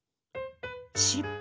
しっぽ？